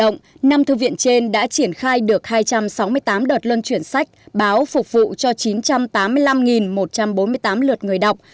năm thư viện trên đã triển khai được hai trăm sáu mươi tám đợt luân chuyển sách báo phục vụ cho chín trăm tám mươi năm một trăm bốn mươi tám lượt người đọc